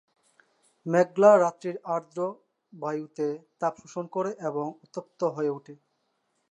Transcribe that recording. মেঘলা রাত্রির আর্দ্র বায়ু সে তাপ শোষণ করে এবং উত্তপ্ত হয়ে ওঠে।